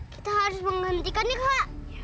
kita harus menghentikan ya kak